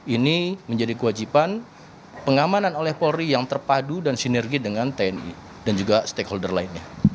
ini menjadi kewajiban pengamanan oleh polri yang terpadu dan sinergi dengan tni dan juga stakeholder lainnya